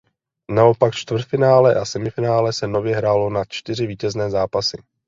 Naopak čtvrtfinále a semifinále se nově hrálo na čtyři vítězné zápasy.